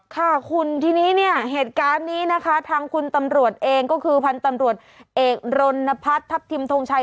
ค่ะคุณทีนี้เนี่ยเหตุการณ์นี้นะคะทางคุณตำรวจเองก็คือพันธุ์ตำรวจเอกรณพัฒน์ทัพทิมทงชัย